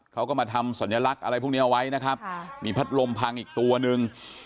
เขาก็มาทำสัญลักษณ์อะไรพวกนี้เอาไว้นะครับมีพัดลมพังอีกตัวนึง